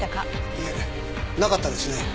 いえなかったですね。